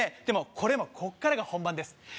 でもこれもこっからが本番です